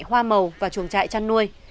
hoa màu và chuồng trại chăn nuôi